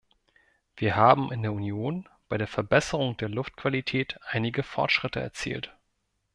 Wir haben in der Union bei der Verbesserung der Luftqualität einige Fortschritte erzielt.